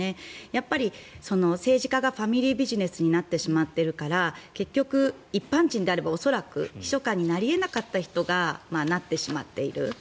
やっぱり政治家がファミリービジネスになってしまっているから結局、一般人で恐らく秘書官になり得なかった人がなってしまっている。